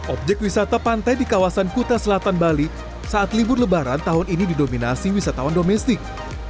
objek wisata pantai di kawasan kuta selatan bali saat libur lebaran tahun ini didominasi wisatawan domestik